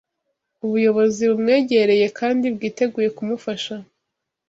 ubuyobozi bumwegereye kandi bwiteguye kumufasha